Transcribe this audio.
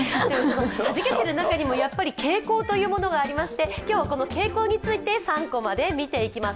はじけている中にもやはり傾向というものがありまして、今日はこの傾向について３コマで見ていきます。